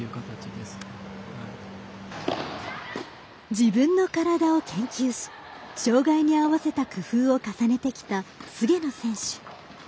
自分の体を研究し障がいに合わせた工夫を重ねてきた菅野選手。